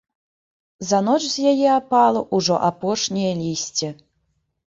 За ноч з яе апала ўжо апошняе лісцё.